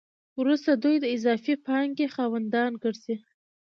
وروسته دوی د اضافي پانګې خاوندان ګرځي